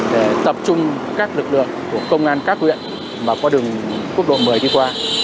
để tập trung các lực lượng của công an các huyện mà qua đường quốc độ một mươi đi qua